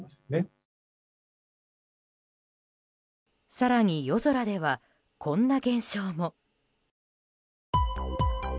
更に、夜空ではこんな現象も。